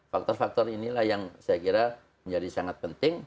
faktor faktor inilah yang saya kira menjadi sangat penting